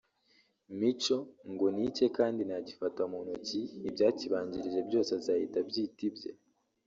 Mico ngo ni icye kandi nagifata mu ntoki ibyakibanjirije byose azahita abyita ibye